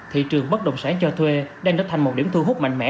thị trường bất động sản cho thuê đang trở thành một điểm thu hút mạnh mẽ